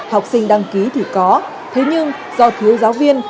học sinh đăng ký thì có thế nhưng do thiếu giáo viên